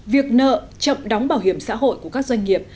việc nợ chậm đóng bảo hiểm xã hội của các doanh nghiệp